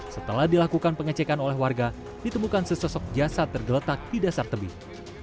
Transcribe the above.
setelah dilakukan pengecekan oleh warga ditemukan sesosok jasad tergeletak di dasar tebing